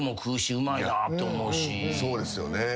そうですよね。